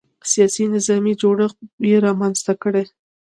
سیاسي نظامي جوړښت یې رامنځته کړی.